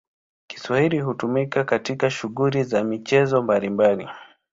Kiswahili hutumika katika shughuli za michezo mbalimbali.